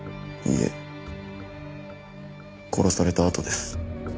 いいえ殺されたあとです。